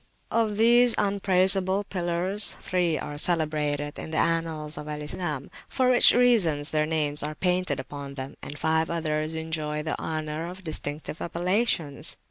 Of these unpraisable pillars three are celebrated in the annals of Al Islam, for which reason their names are painted upon them, and five others enjoy the honour of distinctive appellations.